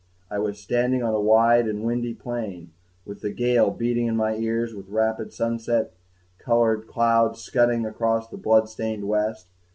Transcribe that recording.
I was standing on a wide and windy plain, with the gale beating in my ears, and with rapid sunset colored clouds scudding across the blood stained west.